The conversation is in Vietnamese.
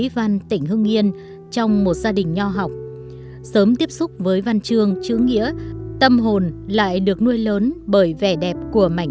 với cái điều kiện làm việc của mình